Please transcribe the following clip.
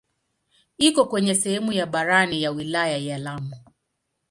Iko kwenye sehemu ya barani ya wilaya ya Lamu.